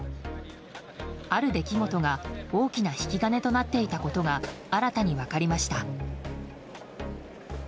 ある出来事が大きな引き金となっていたことが新たに分かりました。